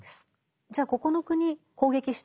じゃあここの国攻撃したいな。